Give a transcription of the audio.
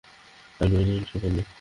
আপনি বলেছেন কিছুই পাননি?